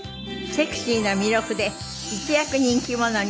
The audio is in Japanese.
セクシーな魅力で一躍人気者に。